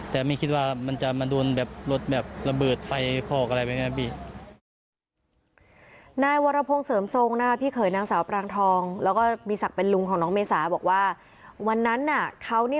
แต่ไม่คิดว่ามันจะมาโดนแบบรถแบบระเบิดไฟคอกอะไรแบบนี้พี่